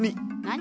何？